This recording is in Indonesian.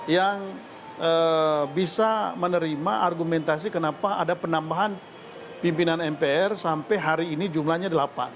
yang bisa menerima argumentasi kenapa ada penambahan pimpinan mpr sampai hari ini jumlahnya delapan